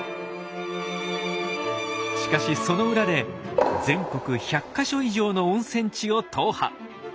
しかしその裏で全国１００か所以上の温泉地を踏破。